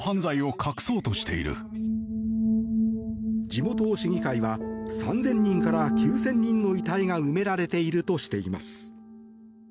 地元市議会は３０００人から９０００人の遺体が埋められているとしています。